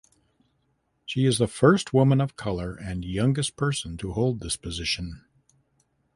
She is the first woman of color and youngest person to hold this position.